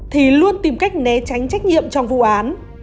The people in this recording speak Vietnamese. thì luôn tìm cách né tránh trách nhiệm trong vụ án